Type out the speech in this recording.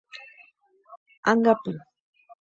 Ãngapy.